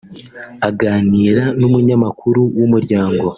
Aganira n’umunyamakuru w’Umuryango